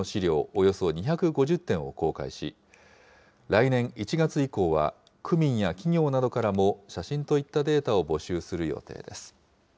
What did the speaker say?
およそ２５０点を公開し、来年１月以降は区民や企業などからも写真といったデータを募集する予定です。